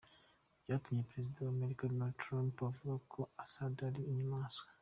Byatumye Perezida wa Amerika, Donald Trump, avuga ko Assad ari inyamaswa.